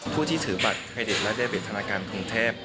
ผู้ที่ถือบัตรไฮเด็ดและเดเวทธนการพรุ่งเทพ